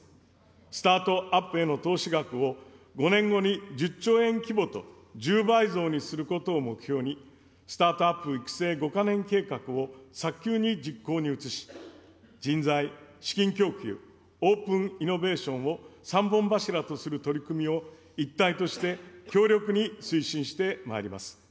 スタートアップへの投資額を５年後に１０兆円規模と１０倍増にすることを目標に、スタートアップ育成５か年計画を早急に実行に移し、人材、資金供給、オープンイノベーションを三本柱とする取り組みを一体として強力に推進してまいります。